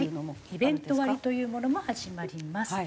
イベント割というものも始まります。